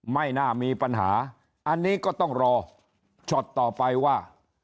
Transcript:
ไม่น่ามีปัญหาอันนี้ก็ต้องรอช็อตต่อไปว่า